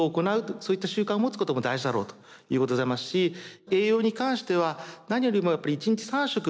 そういった習慣を持つことも大事だろうということでございますし栄養に関しては何よりもやっぱり１日３食。